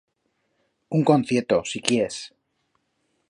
Un concieto, si quiers.